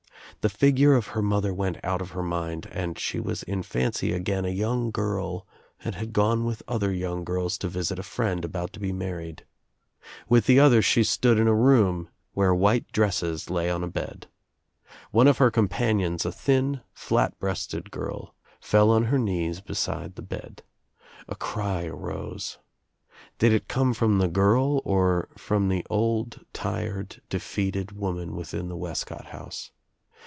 The figure of her mother went out of her mind and she was in fancy again a young girl and had gone with other young girls to visit a friend about to be married. With the others she stood in a room where 262 THE TRIUMPH OF THE EGG white dresses lay on a bed. One of her companions, a thin, flat breasted girl fell on her knees beside the bed. A cry arose. Did it come from the girl or from the old tired defeated woman within the Wescott house?